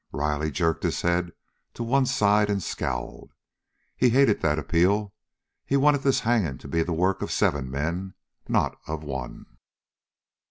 Riley jerked his head to one side and scowled. He hated that appeal. He wanted this hanging to be the work of seven men, not of one.